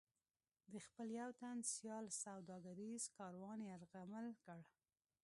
د خپل یو تن سیال سوداګریز کاروان یرغمل کړ.